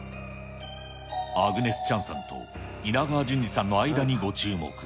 アグネス・チャンさんと稲川淳二さんの間にご注目。